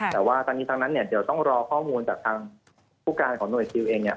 แต่ว่าทั้งนี้ทั้งนั้นเนี่ยเดี๋ยวต้องรอข้อมูลจากทางผู้การของหน่วยซิลเองเนี่ย